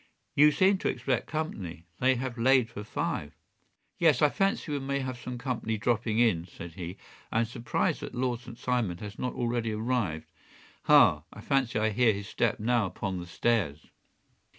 “You seem to expect company. They have laid for five.” “Yes, I fancy we may have some company dropping in,” said he. “I am surprised that Lord St. Simon has not already arrived. Ha! I fancy that I hear his step now upon the stairs.